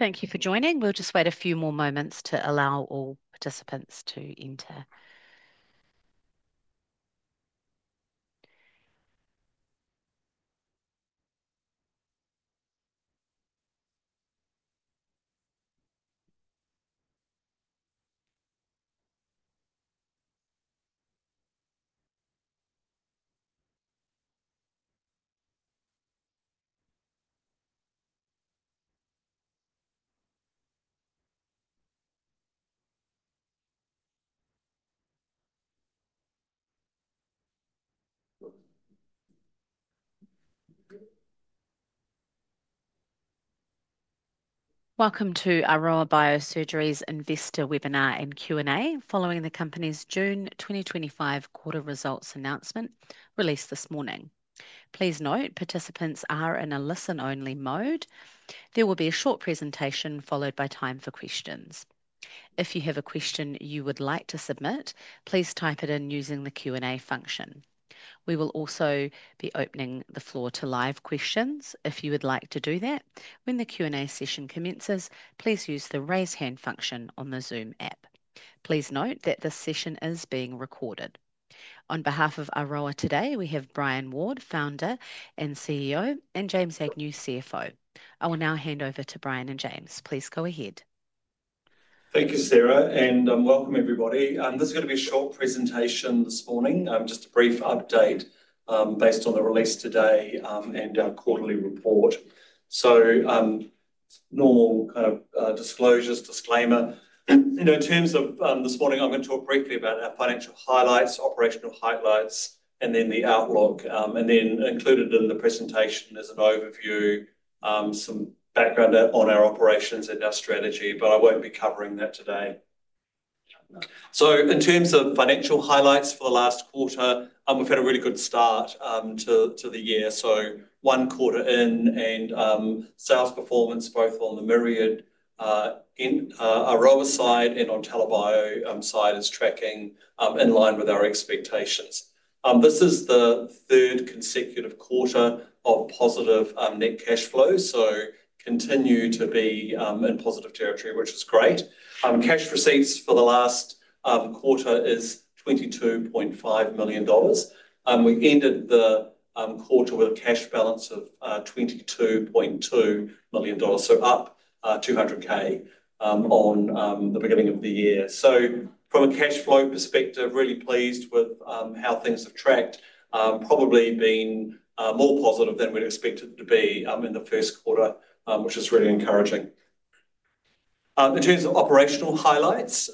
Thank you for joining. We'll just wait a few more moments to allow all participants to enter. Welcome to Aroa Biosurgery's investor webinar and Q&A following the company's June 2025 quarter results announcement released this morning. Please note participants are in a listen-only mode. There will be a short presentation followed by time for questions. If you have a question you would like to submit, please type it in using the Q&A function. We will also be opening the floor to live questions if you would like to do that. When the Q&A session commences, please use the raise hand function on the Zoom app. Please note that this session is being recorded. On behalf of Aroa today, we have Brian Ward, Founder and CEO, and James Agnew, CFO. I will now hand over to Brian and James. Please go ahead. Thank you, Sarah, and welcome everybody. This is going to be a short presentation this morning, just a brief update based on the release today and our quarterly report. Normal disclosures, disclaimer. In terms of this morning, I'm going to talk briefly about our financial highlights, operational highlights, and then the outlook. Included in the presentation is an overview, some background on our operations and our strategy, but I won't be covering that today. In terms of financial highlights for the last quarter, we've had a really good start to the year. One quarter in and sales performance both on the Myriad and AROA side and on TELA Bio side is tracking in line with our expectations. This is the third consecutive quarter of positive net cash flow. We continue to be in positive territory, which is great. Cash receipts for the last quarter are $22.5 million. We ended the quarter with a cash balance of $22.2 million, so up $200,000 on the beginning of the year. From a cash flow perspective, really pleased with how things have tracked, probably been more positive than we'd expected to be in the first quarter, which is really encouraging. In terms of operational highlights,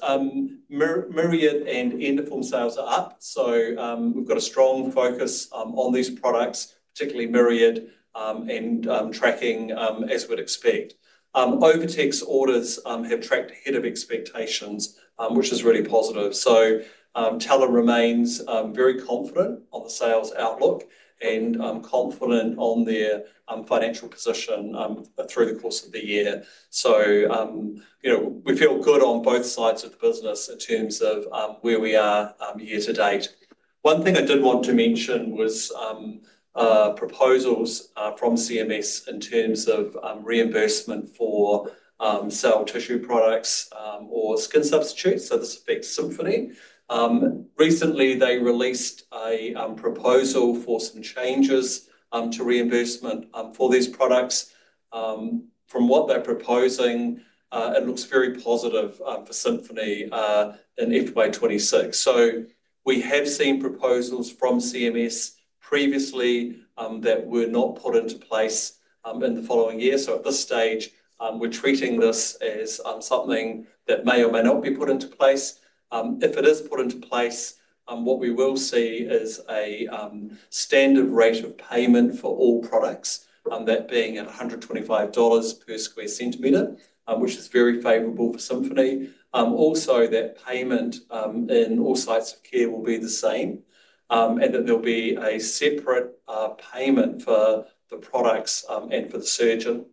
Myriad and Endoform sales are up. We've got a strong focus on these products, particularly Myriad, and tracking as we'd expect. OviTex orders have tracked ahead of expectations, which is really positive. TELA remains very confident on the sales outlook and confident on their financial position through the course of the year. We feel good on both sides of the business in terms of where we are year to date. One thing I did want to mention was proposals from the CMS in terms of reimbursement for cell tissue products or skin substitutes. This affects Symphony. Recently, they released a proposal for some changes to reimbursement for these products. From what they're proposing, it looks very positive for Symphony in FY2026. We have seen proposals from the CMS previously that were not put into place in the following year. At this stage, we're treating this as something that may or may not be put into place. If it is put into place, what we will see is a standard payment rate for all products, that being at $125 per square centimetre, which is very favorable for Symphony. Also, that payment in all sites of care will be the same, and then there'll be a separate payment for the products and for the surgeon,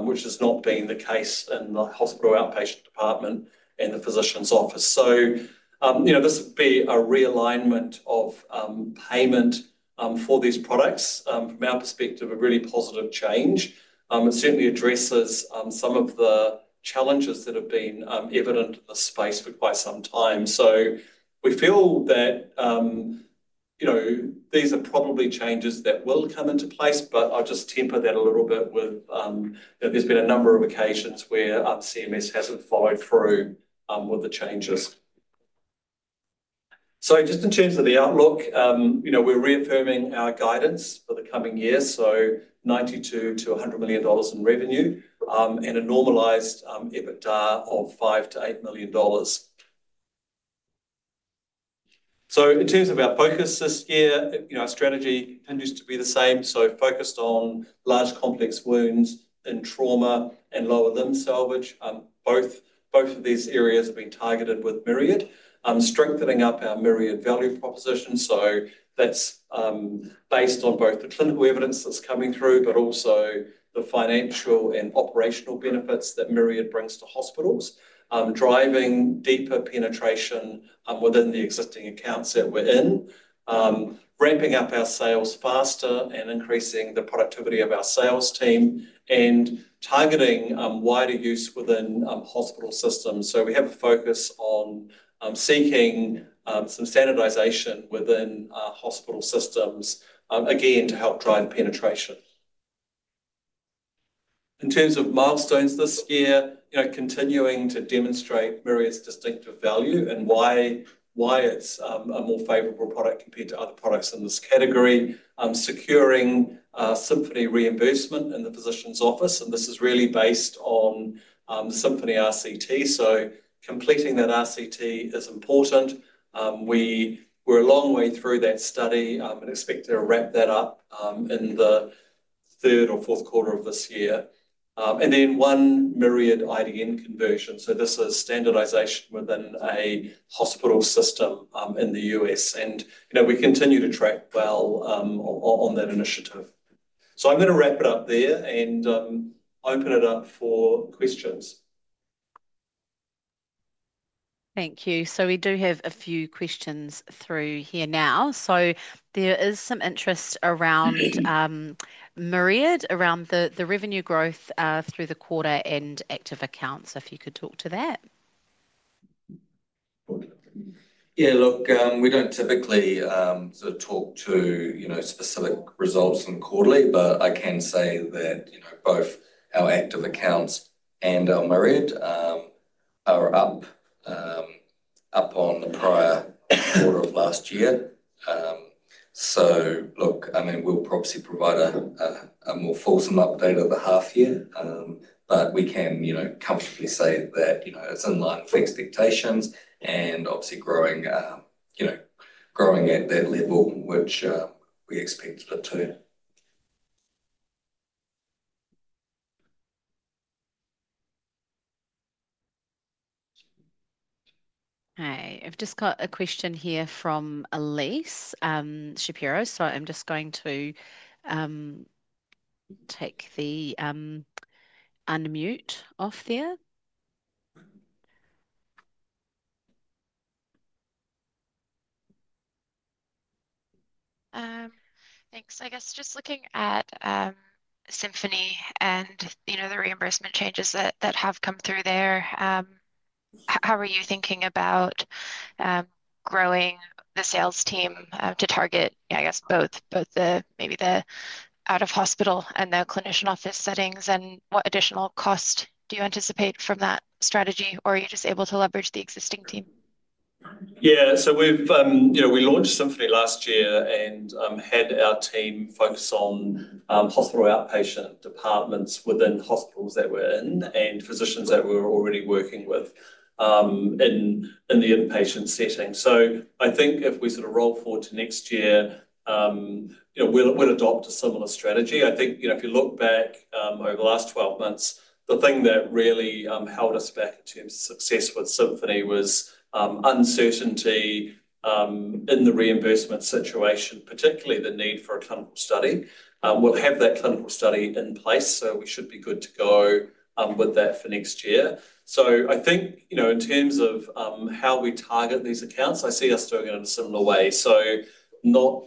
which has not been the case in the hospital outpatient department and the physician's office. This would be a realignment of payment for these products. From our perspective, a really positive change. It certainly addresses some of the challenges that have been evident in this space for quite some time. We feel that these are probably changes that will come into place, but I'll just temper that a little bit with that there's been a number of occasions where CMS hasn't followed through with the changes. In terms of the outlook, we're reaffirming our guidance for the coming year. $92 million-$100 million in revenue and a normalized EBITDA of $5 million-$8 million. In terms of our focus this year, our strategy continues to be the same. Focused on large complex wounds and trauma and lower limb salvage. Both of these areas are being targeted with Myriad, strengthening up our Myriad value proposition. That's based on both the clinical evidence that's coming through, but also the financial and operational benefits that Myriad brings to hospitals, driving deeper penetration within the existing accounts that we're in, ramping up our sales faster and increasing the productivity of our sales team and targeting wider use within hospital systems. We have a focus on seeking some standardization within our hospital systems, again, to help drive penetration. In terms of milestones this year, continuing to demonstrate Myriad's distinctive value and why it's a more favorable product compared to other products in this category, securing Symphony reimbursement in the physician's office. This is really based on Symphony RCT. Completing that RCT is important. We're a long way through that study and expect to ramp that up in the third or fourth quarter of this year. Then one Myriad IDN conversion. This is standardization within a hospital system in the U.S. We continue to track well on that initiative. I'm going to wrap it up there and open it up for questions. Thank you. We do have a few questions through here now. There is some interest around Myriad, around the revenue growth through the quarter and active accounts. If you could talk to that. Yeah, look, we don't typically sort of talk to, you know, specific results on quarterly, but I can say that, you know, both our active accounts and our Myriad are up on the prior quarter of last year. I mean, we'll probably provide a more full-time update over half a half year, but we can, you know, comfortably say that, you know, it's in line with expectations and obviously growing, you know, growing at that level, which we expect it to. Hey, I've just got a question here from Elyse Shapiro. I'm just going to take the unmute off there. Thanks. I guess just looking at Symphony and, you know, the reimbursement changes that have come through there, how are you thinking about growing the sales team to target both the maybe the out-of-hospital and the clinician office settings? What additional cost do you anticipate from that strategy? Are you just able to leverage the existing team? Yeah, so we've, you know, we launched Symphony last year and had our team focus on hospital outpatient departments within hospitals that we're in and physicians that we're already working with in the inpatient setting. I think if we sort of roll forward to next year, we'll adopt a similar strategy. If you look back over the last 12 months, the thing that really held us back in terms of success with Symphony was uncertainty in the reimbursement situation, particularly the need for a clinical study. We'll have that clinical study in place, so we should be good to go with that for next year. In terms of how we target these accounts, I see us doing it in a similar way, not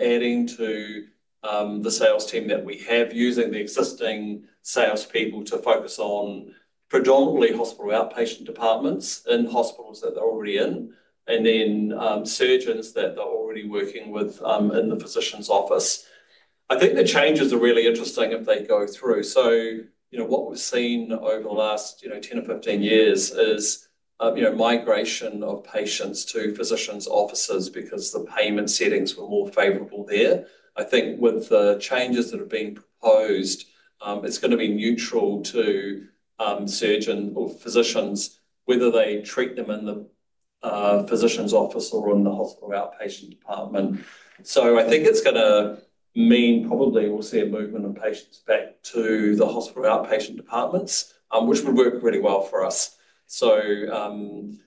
adding to the sales team that we have, using the existing salespeople to focus on predominantly hospital outpatient departments in hospitals that they're already in and then surgeons that they're already working with in the physician's office. The changes are really interesting as they go through. What we've seen over the last 10 or 15 years is migration of patients to physicians' offices because the payment settings were more favorable there. With the changes that are being proposed, it's going to be neutral to surgeons or physicians whether they treat them in the physician's office or in the hospital outpatient department. I think it's going to mean probably we'll see a movement of patients back to the hospital outpatient departments, which would work really well for us. The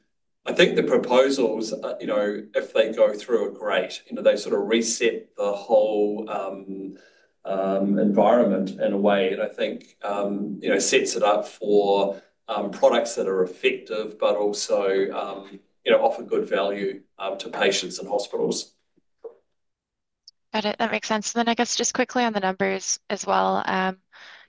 proposals, if they go through, are great. They sort of reset the whole environment in a way that sets it up for products that are effective but also offer good value to patients and hospitals. Got it. That makes sense. I guess just quickly on the numbers as well,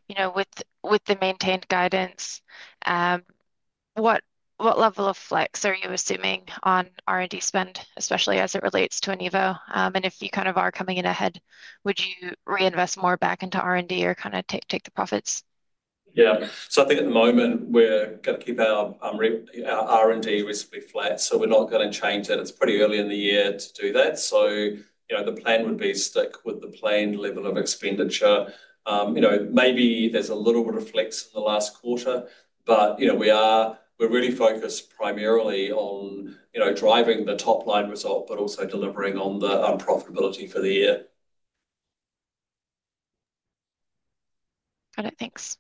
you know, with the maintained guidance, what level of flex are you assuming on R&D spend, especially as it relates to Anevo? If you kind of are coming in ahead, would you reinvest more back into R&D or kind of take the profits? Yeah, I think at the moment we're going to keep our R&D reasonably flat, so we're not going to change it. It's pretty early in the year to do that. The plan would be to stick with the planned level of expenditure. Maybe there's a little bit of flex in the last quarter, but we're really focused primarily on driving the top line result but also delivering on the profitability for the year. Got it. Thanks.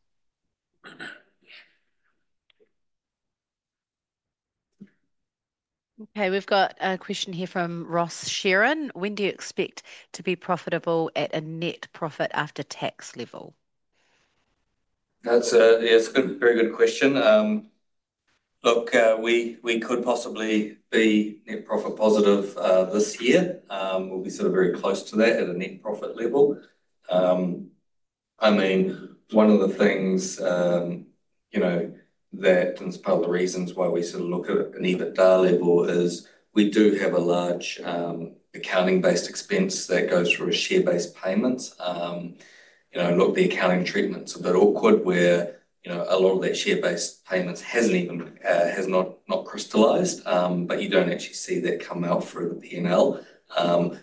Okay, we've got a question here from Ross Sheeran. When do you expect to be profitable at a net profit after tax level? That's a very good question. Look, we could possibly be net profit positive this year. We'll be sort of very close to that at a net profit level. One of the principal reasons why we sort of look at an EBITDA level is we do have a large accounting-based expense that goes through a share-based payment. The accounting treatment's a bit awkward where a lot of that share-based payment has not crystallized, but you don't actually see that come out through the P&L. On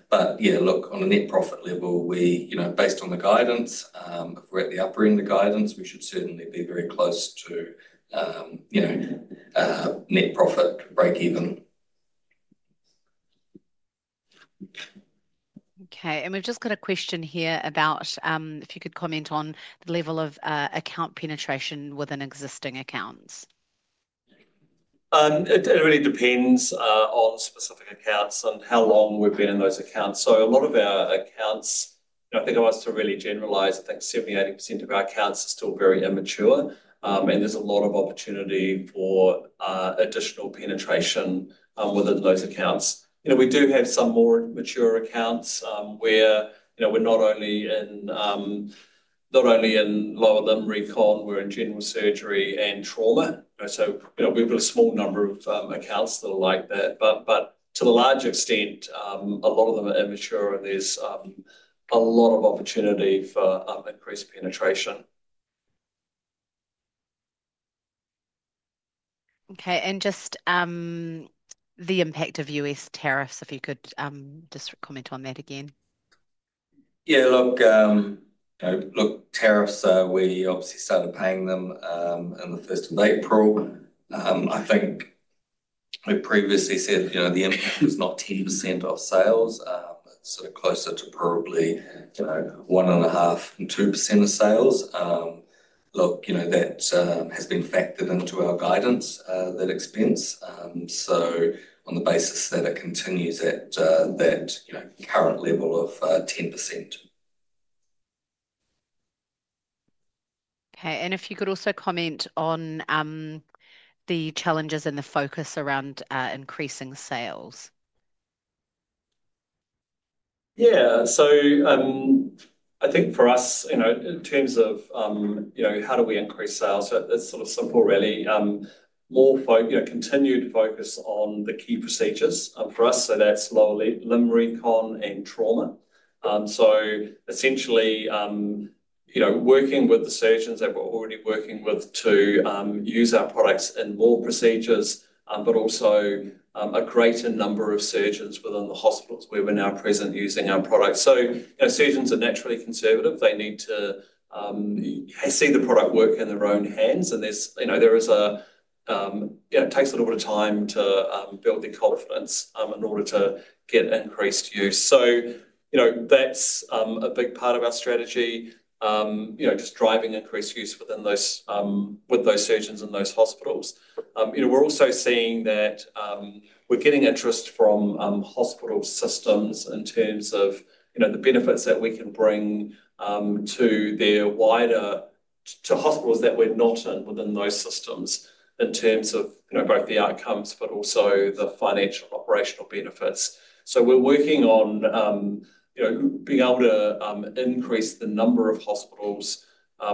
a net profit level, based on the guidance, if we're at the upper end of guidance, we should certainly be very close to net profit break even. Okay, we've just got a question here about if you could comment on the level of account penetration within existing accounts. It really depends on specific accounts and how long we've been in those accounts. A lot of our accounts, if I have to really generalize, I think 70%-80% of our accounts are still very immature. There is a lot of opportunity for additional penetration within those accounts. We do have some more mature accounts where we're not only in lower limb recon, we're in general surgery and trauma. We've got a small number of accounts that are like that. To a large extent, a lot of them are immature and there's a lot of opportunity for increased penetration. Okay, just the impact of U.S. tariffs, if you could comment on that again. Yeah, tariffs, we obviously started paying them on the 1st of April. I think I previously said the impact is not 10% off sales. It's sort of closer to probably 1.5% and 2.5% of sales. That has been factored into our guidance, that expense, on the basis that it continues at that current level of 10%. Okay, if you could also comment on the challenges and the focus around increasing sales. Yeah, I think for us, in terms of how do we increase sales, it's sort of simple, really. More continued focus on the key procedures for us, that's lower limb recon and trauma. Essentially, working with the surgeons that we're already working with to use our products in more procedures, but also a greater number of surgeons within the hospitals where we're now present using our products. Surgeons are naturally conservative. They need to see the product work in their own hands, and it takes a little bit of time to build the confidence in order to get increased use. That's a big part of our strategy, just driving increased use with those surgeons in those hospitals. We're also seeing that we're getting interest from hospital systems in terms of the benefits that we can bring to their wider hospitals that we're not in within those systems, in terms of both the outcomes but also the financial operational benefits. We're working on being able to increase the number of hospitals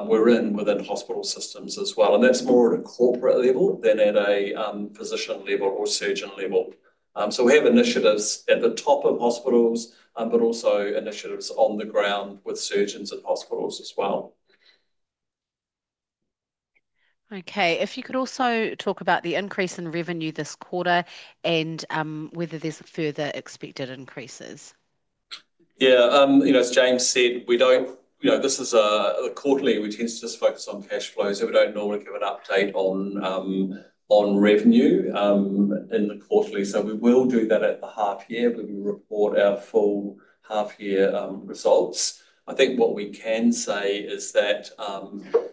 we're in within hospital systems as well. That's more at a corporate level than at a physician level or surgeon level. We have initiatives at the top of hospitals, but also initiatives on the ground with surgeons at hospitals as well. Okay, if you could also talk about the increase in revenue this quarter and whether there's further expected increases. Yeah, you know, as James said, we don't, you know, this is a quarterly. We tend to just focus on cash flows. We don't normally give an update on revenue in the quarterly. We will do that at the half year, but we report our full half year results. I think what we can say is that,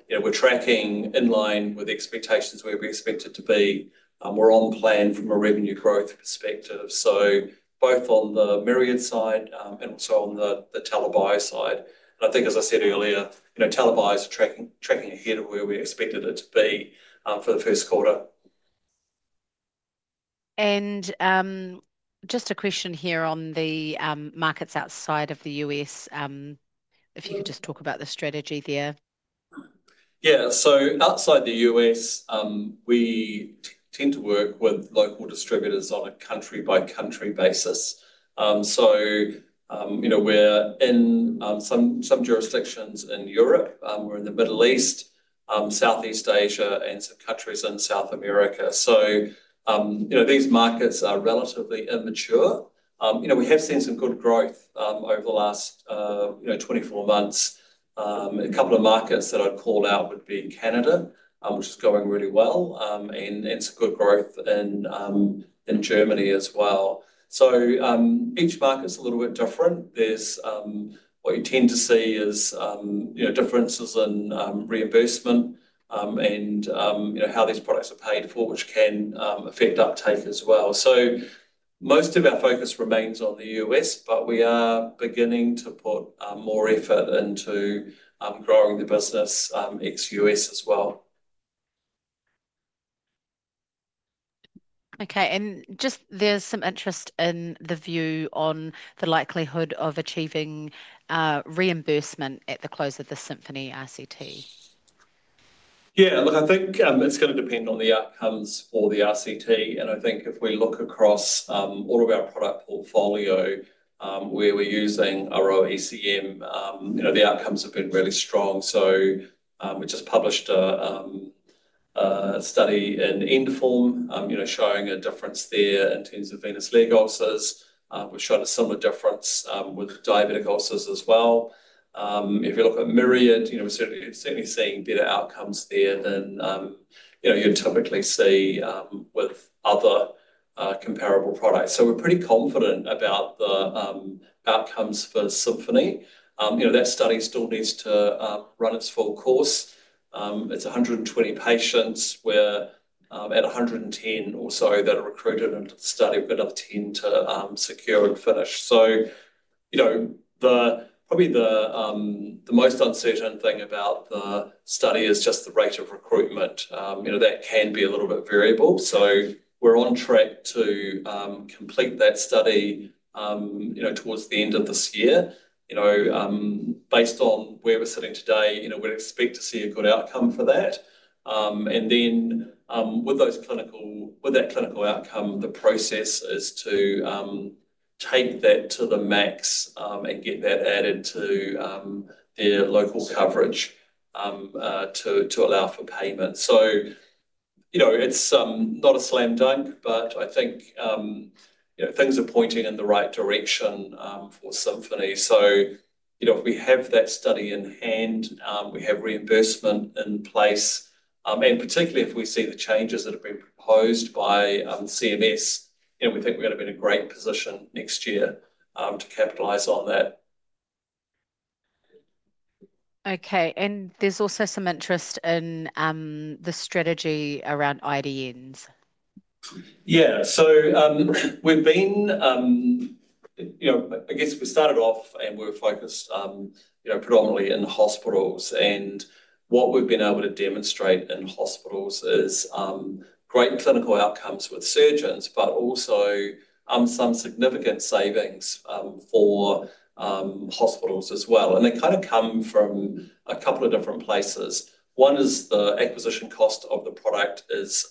you know, we're tracking in line with expectations where we expect to be. We're on plan from a revenue growth perspective, both on the Myriad side and also on the TELA Bio side. I think, as I said earlier, you know, TELA Bio is tracking ahead of where we expected it to be for the first quarter. Just a question here on the markets outside of the U.S., if you could just talk about the strategy there. Yeah, so, outside the U.S., we tend to work with local distributors on a country-by-country basis. We're in some jurisdictions in Europe, we're in the Middle East, Southeast Asia, and some countries in South America. These markets are relatively immature. We have seen some good growth over the last 24 months. A couple of markets that I'd call out would be in Canada, which is going really well, and some good growth in Germany as well. Each market's a little bit different. What you tend to see is differences in reimbursement and how these products are paid for, which can affect uptake as well. Most of our focus remains on the U.S., but we are beginning to put more effort into growing the business ex-U.S. as well. Okay, there's some interest in the view on the likelihood of achieving reimbursement at the close of the Symphony RCT. Yeah, and look, I think that's going to depend on the outcomes for the RCT. I think if we look across all of our product portfolio where we're using AROA ECM, the outcomes have been really strong. We just published a study in Endoform, showing a difference there in terms of venous lymph gases. We've shown a similar difference with diabetic ulcers as well. If you look at Myriad, we're certainly seeing better outcomes there than you typically see with other comparable products. We're pretty confident about the outcomes for Symphony. That study still needs to run its full course. It's 120 patients; we're at 110 or so that are recruited into the study, but have 10 to secure and finish. Probably the most uncertain thing about the study is just the rate of recruitment. That can be a little bit variable. We're on track to complete that study towards the end of this year. Based on where we're sitting today, we'd expect to see a good outcome for that. With that clinical outcome, the process is to take that to the MACs and get that added to local coverage to allow for payment. It's not a slam dunk, but I think things are pointing in the right direction for Symphony. If we have that study in hand, we have reimbursement in place, and particularly if we see the changes that have been proposed by CMS, we think we're going to be in a great position next year to capitalize on that. Okay, there's also some interest in the strategy around IDNs. Yeah, so we've been, you know, I guess we started off and we're focused, you know, predominantly in hospitals. What we've been able to demonstrate in hospitals is great clinical outcomes with surgeons, but also some significant savings for hospitals as well. They kind of come from a couple of different places. One is the acquisition cost of the product is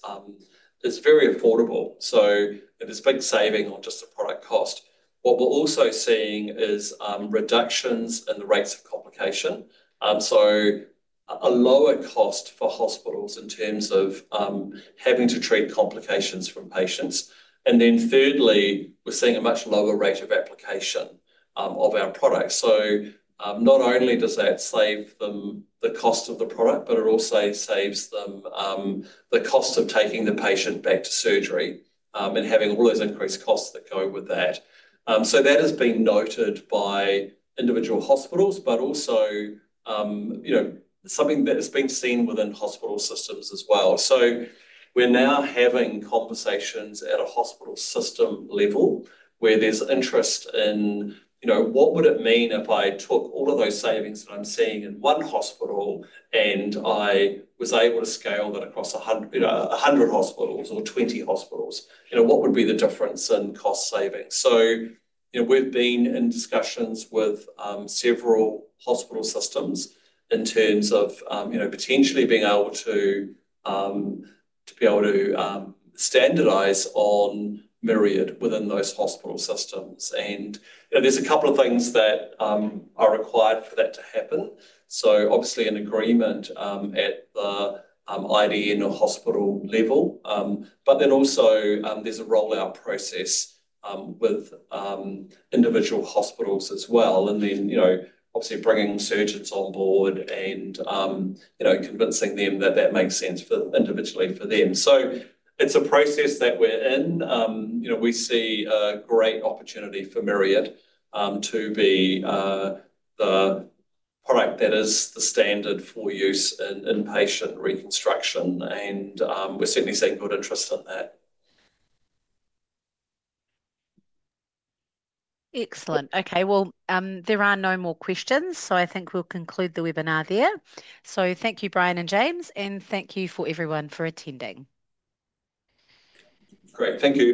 very affordable, so there's been saving on just the product cost. We're also seeing reductions in the rates of complication, so a lower cost for hospitals in terms of having to treat complications from patients. Thirdly, we're seeing a much lower rate of application of our product. Not only does that save them the cost of the product, but it also saves them the cost of taking the patient back to surgery and having all those increased costs that go with that. That has been noted by individual hospitals, but also something that has been seen within hospital systems as well. We're now having conversations at a hospital system level where there's interest in what would it mean if I took all of those savings that I'm seeing in one hospital and I was able to scale that across 100 hospitals or 20 hospitals? What would be the difference in cost savings? We've been in discussions with several hospital systems in terms of potentially being able to standardize on Myriad within those hospital systems. There are a couple of things that are required for that to happen. Obviously, an agreement at the IDN or hospital level, but then also there's a rollout process with individual hospitals as well. Obviously bringing surgeons on board and convincing them that that makes sense individually for them. It's a process that we're in. We see a great opportunity for Myriad to be the product that is the standard for use in inpatient reconstruction, and we're certainly seeing good interest in that. Excellent. Okay, there are no more questions, so I think we'll conclude the webinar there. Thank you, Brian and James, and thank you everyone for attending. Great, thank you.